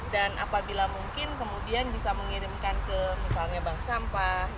dan apabila mungkin kemudian bisa mengirimkan ke misalnya bank sampah